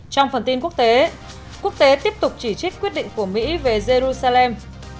trong phần tin quốc tế quốc tế tiếp tục chỉ trích quyết định của mỹ về jerusalem